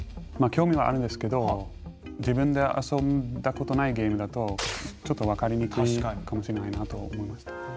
まあ興味はあるんですけど自分で遊んだことないゲームだとちょっとわかりにくいかもしれないなと思いました。